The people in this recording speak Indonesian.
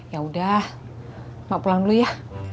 ya udah gak pulang dulu ya